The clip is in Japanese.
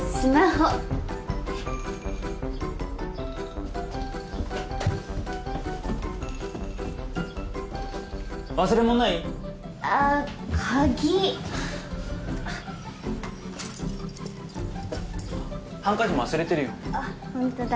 スマホ忘れてるよ！